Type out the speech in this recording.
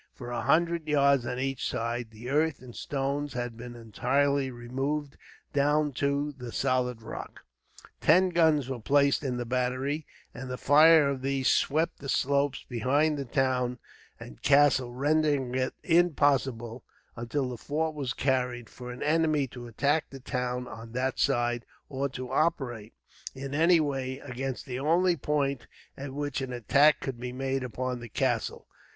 For a hundred yards on each side, the earth and stones had been entirely removed down to the solid rock. Ten guns were placed in the battery, and the fire of these swept the slopes behind the town and castle, rendering it impossible, until the fort was carried, for an enemy to attack the town on that side; or to operate, in any way, against the only point at which an attack could be made upon the castle.